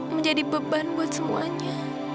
menjadi beban buat semuanya